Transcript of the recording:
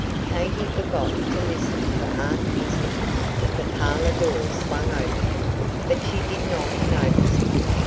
Katy forgot to listen for Aunt Izzie. The parlor door swung open, but she did not notice it.